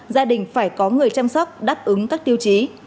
gia đình phải có người chăm sóc đáp ứng các tiêu chí